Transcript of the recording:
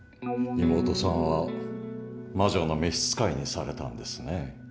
妹さんは魔女の召し使いにされたんですね。